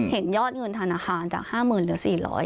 เห็นยอดเงินธนาคารจาก๕๐๐๐เหลือ๔๐๐